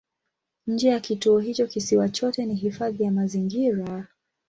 Nje ya kituo hicho kisiwa chote ni hifadhi ya mazingira.